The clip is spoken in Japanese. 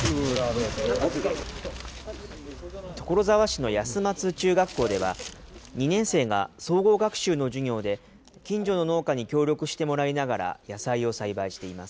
所沢市の安松中学校では、２年生が総合学習の授業で、近所の農家に協力してもらいながら、野菜を栽培しています。